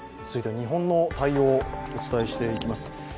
続いては日本の対応をお伝えしていきます。